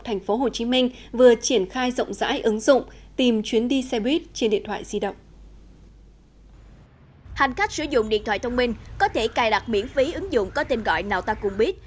hành khách sử dụng điện thoại thông minh có thể cài đặt miễn phí ứng dụng có tên gọi nào ta cùng biết